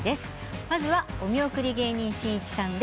まずはお見送り芸人しんいちさんです。